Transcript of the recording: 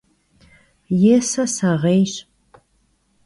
Yêse seğêyş.